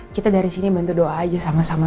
kita dari sini bantu doa aja sama sama